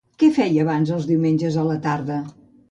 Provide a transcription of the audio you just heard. Què feia abans els diumenges a la tarda?